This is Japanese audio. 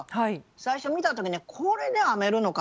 最初見た時にこれで編めるのかなと。